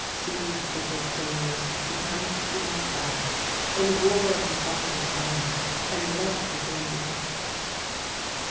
Sheathed is his sword; he cometh to my bower; In war he findeth honour, and love within the gate."